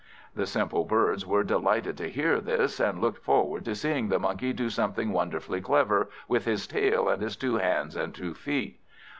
The simple birds were delighted to hear this, and looked forward to seeing the Monkey do something wonderfully clever, with his tail and his two hands and two feet.